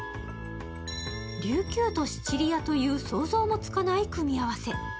琉球とシチリアという想像もつかない組み合わせ。